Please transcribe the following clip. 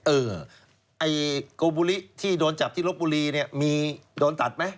เออไอ้โกบุริที่โดนจับที่ลบบุรีเนี่ยมีโดนตัดไหม